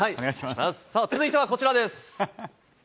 続いてはこちらです。